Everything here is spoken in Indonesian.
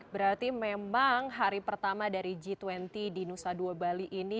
berarti memang hari pertama dari g dua puluh di nusa dua bali ini